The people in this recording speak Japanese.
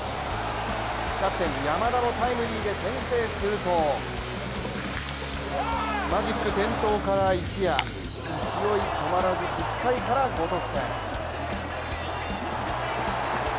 キャプテン・山田のタイムリーで先制するとマジック点灯から一夜勢い止まらず、１回から５得点。